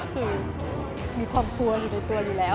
คือมีความกลัวอยู่ในตัวอยู่แล้ว